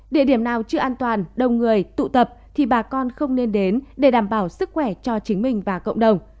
địa điểm nào chưa an toàn đông người tụ tập thì bà con không nên đến để đảm bảo sức khỏe cho chính mình và cộng đồng